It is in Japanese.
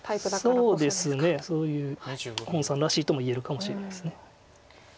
そうですねそういう洪さんらしいとも言えるかもしれないです。